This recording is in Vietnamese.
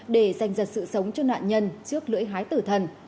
để dành ra sự sống cho nạn nhân trước lưỡi hái tử thần